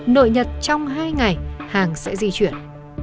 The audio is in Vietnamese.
nội nhật trong hai ngày hàng sẽ di chuyển